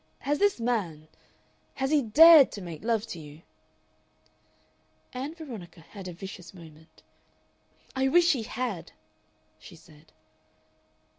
has this man, has he DARED to make love to you?" Ann Veronica had a vicious moment. "I wish he had," she said.